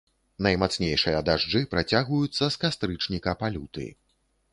Наймацнейшыя дажджы працягваюцца з кастрычніка па люты.